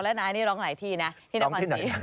คิมดาบคมหน่อยถ่ายนะครับ